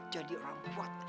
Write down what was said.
jadi orang kuat